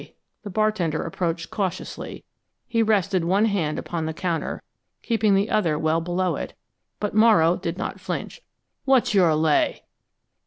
The bartender approached cautiously. He rested one hand upon the counter, keeping the other well below it, but Morrow did not flinch. "What's your lay?"